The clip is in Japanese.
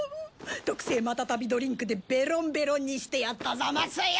特製マタタビドリンクでベロンベロンにしてやったザマスよ。